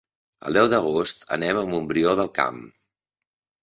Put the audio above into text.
El deu d'agost anem a Montbrió del Camp.